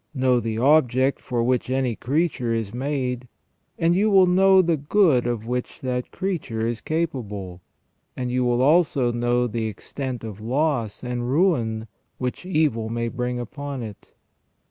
Know the object for which any creature is made, and you will know the good of which that creature is capable, and you will also know the extent of loss and ruin which evil may bring upon it.